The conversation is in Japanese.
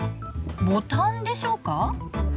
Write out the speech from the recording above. ボタンでしょうか？